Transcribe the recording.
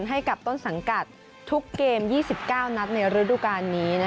ให้กับต้นสังกัดทุกเกม๒๙นัดในฤดูการนี้